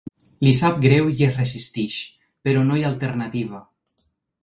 Li sap greu i es resisteix, però no hi ha alternativa.